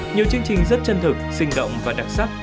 nhiều chương trình rất chân thực sinh động và đặc sắc